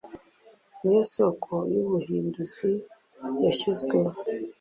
niyo soko yubuhinduzi yashyizwemo